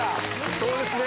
そうですね